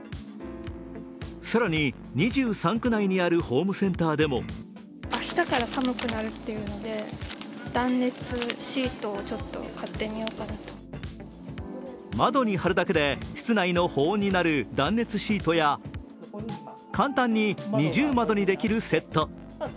更に、２３区内にあるホームセンターでも窓に貼るだけで室内の保温になる断熱シートや簡単に二重窓にできるセット。